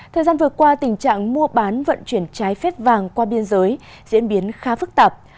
thời gian vừa qua tình trạng mua bán vận chuyển trái phép vàng qua biên giới diễn biến khá phức tạp